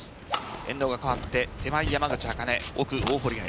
エンドが変わって手前、山口茜奥、大堀彩。